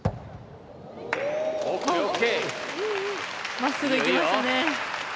まっすぐ行きましたね。